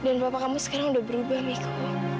dan papa kamu sekarang udah berubah miko